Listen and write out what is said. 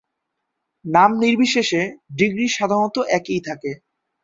নাম নির্বিশেষে, ডিগ্রি সাধারণত একই থাকে।